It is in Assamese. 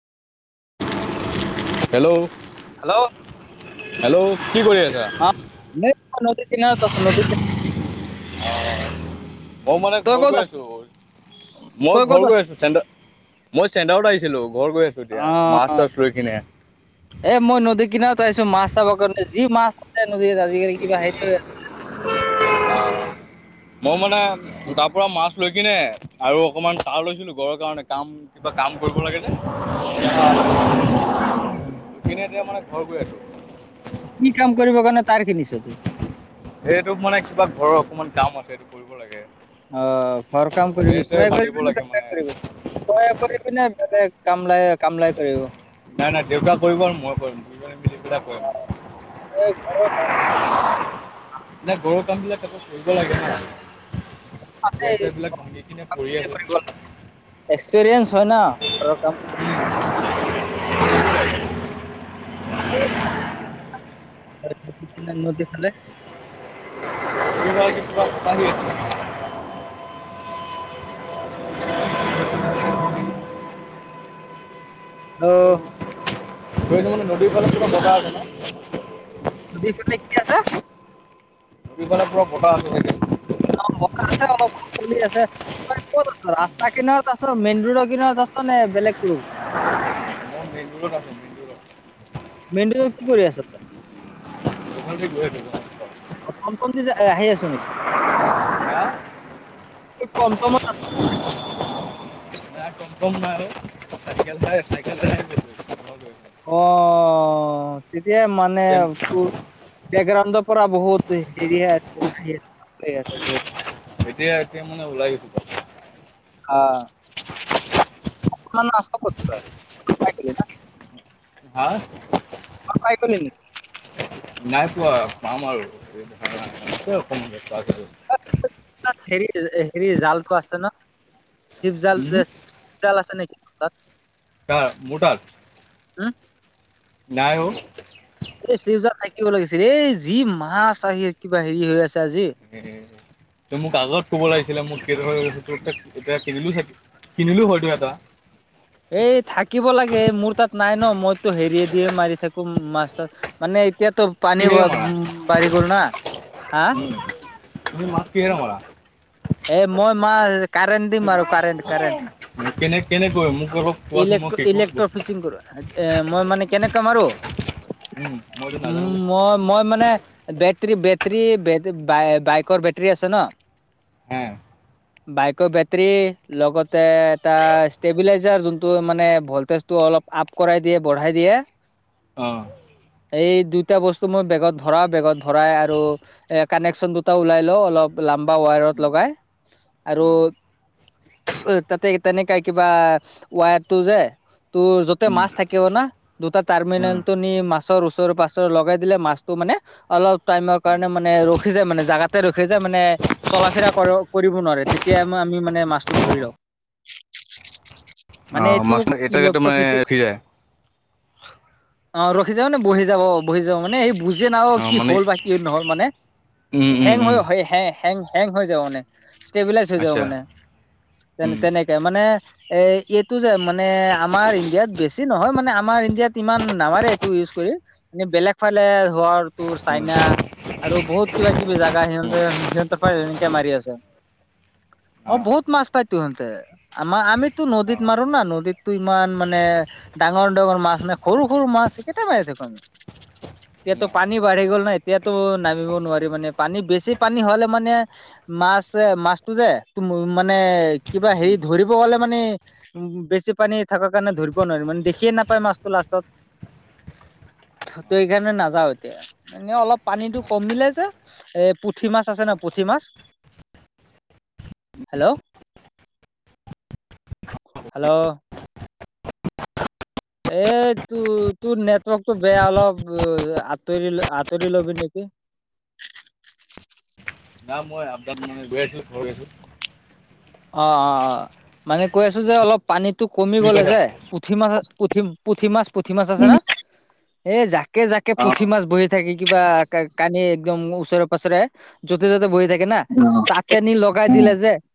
হেল্ল', হেল্ল', হেল্ল', কি কৰি আছা? অ, [unintelligible] নদীতে মও মানে ঘৰ গৈ আছোঁ। মই তই ক'ত ঘৰ আছ গৈ আছোঁ চেন্দা মই চেণ্টাৰত আহিছিলোঁ ঘৰ গৈ আছোঁ এতিয়া অ মাছ থ্ৰই কিনে। এ মই নদীৰ কিনাৰত আহিছোঁ মাছ চাব কাৰণে যি মাছ আছে নদীত আজিকালি কিবা হেৰি হৈ [unintelligible] মই মানে তাৰ পৰা মাছ থৈ কিনে আৰু অকমান [unintelligible] লৈছিলোঁ গৰৰ কাৰণে কাম কিবা কাম কৰিব লাগে যে। অ', কি কিনি এতিয়া মানে ঘৰ গৈ আছোঁ। কি কাম কৰিব কাৰণে তাৰ কিনিছ তে? এটোক মানে কিবা ঘৰৰ অকমান কাম আছে এইটো কৰিব লাগে। অ, ঘৰ কাম কৰিবি বেৰ চেৰ থ্ৰই কৰিব নে বান্ধিব লাগে মানে [unintelligible] তই একবাৰ ইপিনে বেলেগ কাম লায়েক নাই-নাই দেউতা কৰিব আৰু মই কৰিম দুজনে মিলি পেলাই কৰিম। [unintelligible] নে গৰুৰ কাম বিলাক আকৌ কৰিব লাগে না। আছে বেৰ- চেৰ বিলাক ভাঙি কিনে পৰি নিজে আছে। কৰিব লাগে। এক্সপিৰিয়েঞ্চ হয় না ঘৰৰ কাম [unintelligible] [unintelligible] [unintelligible] নদিফালে। [unintelligible] ত [unintelligible] নদীৰ ফালে কিবা [unintelligible] আছেনে? নদীফালে কি আছে? দুই ফালে পুৰা বতাহ আছে চাগে। অ, বতাহ আছে অলপ কোঁৱলি আছে। তই ক'ত আছ ৰাস্তা কিনাৰত আছ মেইন ৰোডৰ কিনাৰত আছ নে বেলেগ ক্লু? মেন ৰোদত আছো [unintelligible] মেন ৰোদত কি কৰি আছ তই? [unintelligible] টম টম দিছে এ আহি আছ নি? হা কি টম টমত আ বম মাৰে অ। চাইকেল চাই চাইকেল [unintelligible] অ, তেতিয়া মানে আছোঁ। [unintelligible] বেকগ্ৰাউণ্ড পৰা বহুত এ হেৰিয়ে আছে আহি আছে [unintelligible] বহুত। এতিয়া -এতিয়া মানে ওলাই [unintelligible] আ অ, মানে আছ ক'ত তই [unintelligible] না। হা? অ পাই গলি নেকি? নাই পোৱা পাম আৰু আছে অকমানি পাই গৈছো। [unintelligible] সেত হেৰি হেৰি জালটো আছে ন সিব জাল হুম? যে। জাল আছে নেকি? তাত কাৰ মোৰ তাত? উম নাই অ। এই শিউজা থাকিব লাগিছিল। এই যি মাছ আ এত কিবা হেৰি হৈ আছে আজি। [unintelligible] তই মোক আগত ক'ব লাগিছিলে। মোক কি [unintelligible] তোৰ তাত তেতিয়া কিনিলো হেত কিনিলো হয়তো এটা। এই থাকিব লাগে। মোৰ তাত নাই ন। মইতো হেৰিয়ে দিয়ে মাৰি থাকো মাছ-তাছ। মানে এতিয়াটো পানী উ কিহেৰে বা মাৰা বাঢ়ি গ'ল না। হা? উম তুমি মাছ কি কিহেৰে মাৰা? এ মই মাৰ কাৰেণ্ট দি মাৰো কাৰেণ্ট, কাৰেণ্ট। কেনে কেনেকৈ মোক অলপ কোৱাচোন মই ইলেক শিকো ইলেক্ট্ৰ বস্তু ফিচিং কৰো। এ মই মানে কেনেকে মাৰো? উম মইতো নাজানো উম যে মই মই মানে বেটৰী, বেটেৰী বেত বাইকৰ বেটেৰী আছে ন। হুম। বাইকৰ বেটৰী লগতে এটা ষ্টেবিলাইজাৰ যোনটো মানে ভলটেজ টো অলপ আপ কৰাই দিয়ে বঢ়াই দিয়ে। অ। এই দুইটা বস্তু মই বেগত ভৰাওঁ, বেগত ভৰাই আৰু এ কানেকচন দুটা ওলাই লও অলপ লাম্বা ৱাৰত উম লগাই আৰু তাতে তেনেকাই কিবা ৱাৰটো যে তোৰ য'তে মাছ থাকিব না দুটা উম টাৰ্মিনেলটো নি মাছৰ ওচৰ পাছৰ লগাই দিলে মাছটো মানে অলপ টাইমৰ কাৰণে মানে ৰখি যায় মানে জাগাতে ৰখি যায় মানে চলা ফিৰা কৰ কৰিব নোৱাৰে তেতিয়া আমি মানে মাছটো ধৰি লওঁ। অ মানে এইটো মাছ এটা এটা ইলেক্ট মানে ফিচি ৰখি যায় অ ৰখি যাও মানে বহি যাও, অ বহি যাও। মানে এই বুজ যেন অ কি হ'ল বা কি নহ'ল মানে। উম উম হেং হৈ উম হেং হেং হেং হৈ যাব মানে। ষ্টেবিলাইজ হৈ যাব আচ্ছা মানে। তেনে উম তেনেকে মানে এ এইটো যে মানে আমাৰ ইণ্ডিয়াত বেছি নহয় মানে আমাৰ ইণ্ডিয়াত ইমান নামাৰে এইটো ইউজ কৰি। মানে বেলেগ ফালে ধৰ তোৰ উম চাইনা আৰু বহুত কিবা-কিবি জাগা সিহঁতে সিহঁতৰ ফালে এনেকে মাৰি আছে। অ বহুত মাছ পাইতো সিহঁতে। আমাৰ আমিতো অ নদীত মাৰো না। নদীতটো ইমান মানে ডাঙৰ ডাঙৰ মাছ নাই। সৰু সৰু মাছ কেইটা পাই দেখোন। এতিয়াটো পানী বাঢ়ি গ'ল না। এতিয়াতো নামিব নোৱাৰি মানে পানী বেছি পানী হ'লে মানে মাছে মাছটো যে মানে কিবা হেৰি ধৰিব গ'লে মানে উ বেছি পানী থাকাৰ কাৰণে ধৰিব নোৱাৰি মানে দেখিয়ে নাপায় মাছটো লাষ্টত। ত এইকাৰণে নাযাওঁ এতিয়া? এনে অলপ পানীটো কমিলে যে এ পুঠি মাছ আছে ন পুঠি পুঠি মাছ হেল্ল হেল্ল এ তোৰ তোৰ নেটৱৰ্কটো বেয়া। অলপ আতৰি আতৰি লবি নেকি। না মই [unintelligible] মানে গৈ আছো ঘৰ গৈ আছো। অ-অ-অ মানে কৈ আছো যে অলপ পানীটো কমি তুমি গ'লে কৈছা যে পুঠি মাছ, পুঠি মাছ পুঠি মাছ আছে না। এ জাকে জাকে অ পুঠি মাছ বহি থাকি কিবা কানি একদম ওচৰে পাছৰে য'তে য'তে বহি থাকে না অ তেনি লগাই উম দিলে যে